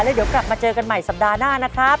เดี๋ยวกลับมาเจอกันใหม่สัปดาห์หน้านะครับ